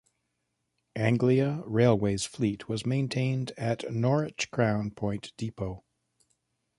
Anglia Railway's fleet was maintained at Norwich Crown Point depot.